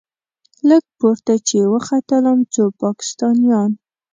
لږ پورته چې وختلم څو پاکستانيان.